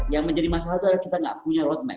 yang menjadi masalah adalah kita tidak punya roadmap